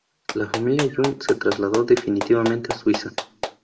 La familia Jung se trasladó definitivamente a Suiza.